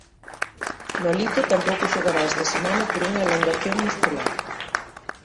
Nolito tampouco xogará esta semana por unha elongación muscular.